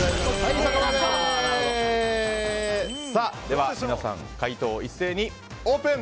では皆さん回答を一斉にオープン。